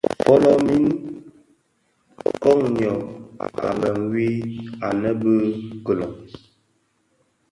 Fölö min, koň йyô a bë ňwi anë bi kilon.